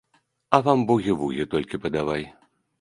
А, вам бугі-вугі толькі падавай!